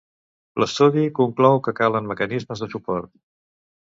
L'estudi conclou que calen mecanismes de suport.